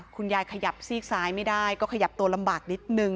ขยับซีกซ้ายไม่ได้ก็ขยับตัวลำบากนิดนึง